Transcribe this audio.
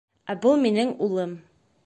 Ә был минең улым